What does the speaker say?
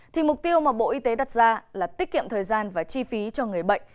thì mục tiêu mà bộ y tế đặt ra là tiết kiệm thời gian và chi phí cho người bệnh